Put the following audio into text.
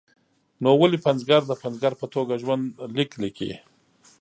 نو ولې پنځګر د پنځګر په توګه ژوند لیک لیکي.